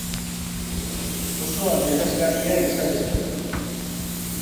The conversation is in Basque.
Oso adierazgarria izan zen.